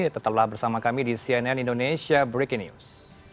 tetaplah bersama kami di cnn indonesia breaking news